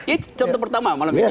ini contoh pertama malam ini